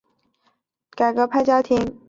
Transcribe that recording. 他出生在一个犹太教改革派家庭。